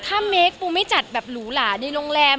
ถ้าเมคปูไม่จัดแบบหรูหลาในโรงแรม